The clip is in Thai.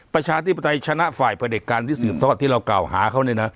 ประชาธิปไตยชนะฝ่ายประเด็จการที่สืบทอดที่เรากล่าวหาเขาเนี่ยนะ